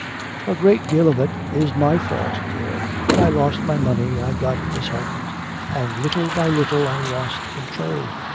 'A great deal of it is my fault, dear. When I lost my money I got disheartened, and little by little I lost control.